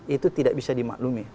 itu tidak bisa dimaklumi